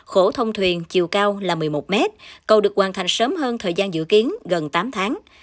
khổ thông thuyền chiều cao là một mươi một m cầu được hoàn thành sớm hơn thời gian dự kiến gần tám tháng